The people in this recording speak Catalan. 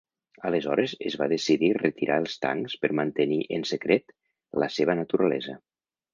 Aleshores es va decidir retirar els tancs per mantenir en secret la seva naturalesa.